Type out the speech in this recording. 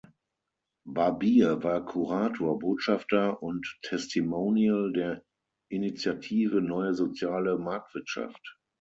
Barbier war Kurator, Botschafter und Testimonial der Initiative Neue Soziale Marktwirtschaft.